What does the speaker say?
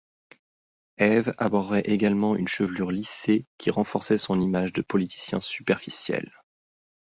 Eves arborait également une chevelure lissée qui renforçait son image de politicien superficiel.